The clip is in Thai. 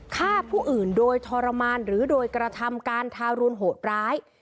ฆ่าผู้อื่นโดยทรมานหรือโดยกระทำการทารุณโหดร้าย